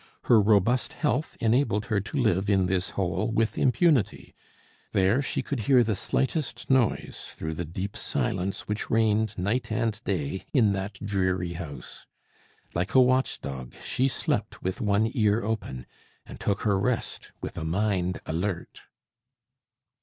Her robust health enabled her to live in this hole with impunity; there she could hear the slightest noise through the deep silence which reigned night and day in that dreary house. Like a watch dog, she slept with one ear open, and took her rest with a mind alert.